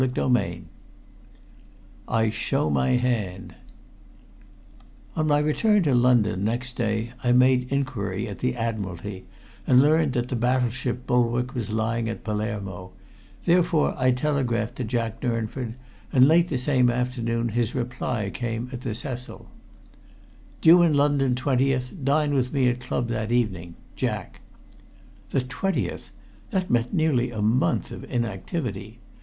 CHAPTER X I SHOW MY HAND On my return to London next day I made inquiry at the Admiralty and learned that the battleship Bulwark was lying at Palermo, therefore I telegraphed to Jack Durnford, and late the same afternoon his reply came at the Cecil: "Due in London twentieth. Dine with me at club that evening Jack." The twentieth! That meant nearly a month of inactivity.